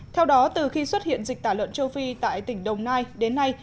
theo đó từ khi xuất hiện dịch tả lợn châu phi tại tỉnh đồng nai đến nay